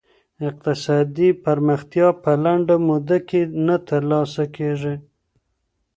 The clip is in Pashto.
اقتصادي پرمختیا په لنډه موده کي نه ترلاسه کیږي.